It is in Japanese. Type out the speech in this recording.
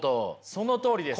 そのとおりです。